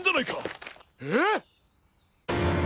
えっ？